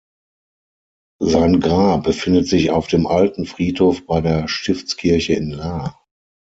Sein Grab befindet sich auf dem Alten Friedhof bei der Stiftskirche in Lahr.